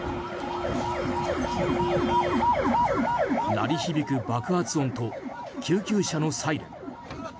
鳴り響く爆発音と救急車のサイレン。